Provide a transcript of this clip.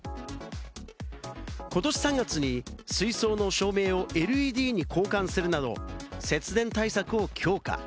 ことし３月に水槽の照明をＬＥＤに交換するなど、節電対策を強化。